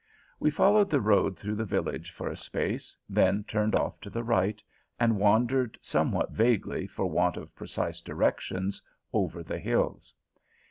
We followed the road through the village for a space, then turned off to the right, and wandered somewhat vaguely, for want of precise directions, over the hills.